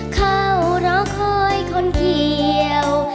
เข้ารอคอยคนเกี่ยว